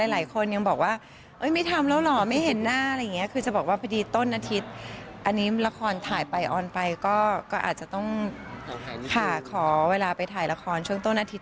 หลายคนยังบอกว่าไม่ทำแล้วเหรอไม่เห็นหน้าอะไรอย่างนี้คือจะบอกว่าพอดีต้นอาทิตย์อันนี้ละครถ่ายไปออนไปก็อาจจะต้องค่ะขอเวลาไปถ่ายละครช่วงต้นอาทิตย